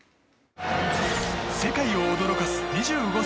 世界を驚かす２５歳。